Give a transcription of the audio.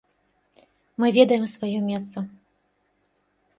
Мы ведаем сваё месца.